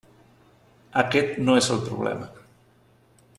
Aquest no és el problema.